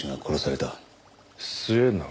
末永